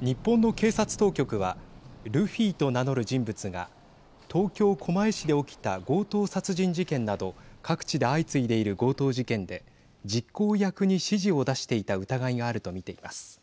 日本の警察当局はルフィと名乗る人物が東京、狛江市で起きた強盗殺人事件など各地で相次いでいる強盗事件で実行役に指示を出していた疑いがあると見ています。